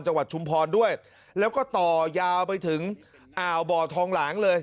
ชุมพรด้วยแล้วก็ต่อยาวไปถึงอ่าวบ่อทองหลางเลย